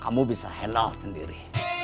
kamu bisa helah sendiri